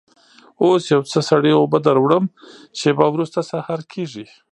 اوس یو څه سړې اوبه در وړم، شېبه وروسته سهار کېږي.